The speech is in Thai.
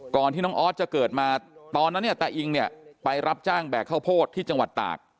ก่อนที่น้องออสจะเกิดมาตอนนั้นเนี่ยตาอิงเนี่ยไปรับจ้างแบกข้าวโพดที่จังหวัดตาก